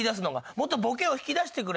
もっとボケを引き出してくれ。